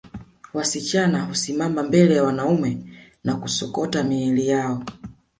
Wasichana husimama mbele ya wanaume na kusokota miili yao